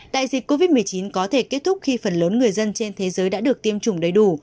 đại dịch covid một mươi chín có thể kết thúc khi phần lớn người dân trên thế giới đã được tiêm chủng đầy đủ